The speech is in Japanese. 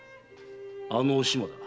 あのお島だ。